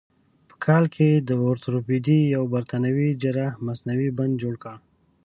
په کال کې د اورتوپیدي یو برتانوي جراح مصنوعي بند جوړ کړ.